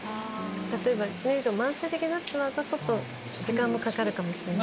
例えば慢性的になってしまうと時間もかかるかもしれない。